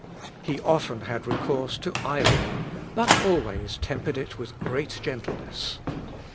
He often had recourse to irony, but always tempered it with great gentleness.